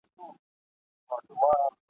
ويل پلاره ما ټول كال زحمت ايستلى !.